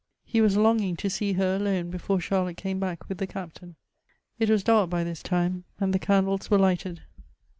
He was longing to see her alone, before Charlotte came back with the Captain. It was dark by this time, and the candles were lighted.